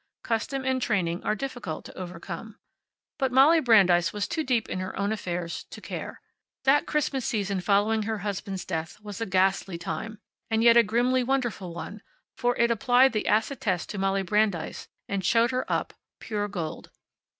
Custom and training are difficult to overcome. But Molly Brandeis was too deep in her own affairs to care. That Christmas season following her husband's death was a ghastly time, and yet a grimly wonderful one, for it applied the acid test to Molly Brandeis and showed her up pure gold.